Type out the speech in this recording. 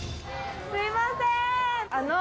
すいませんあの。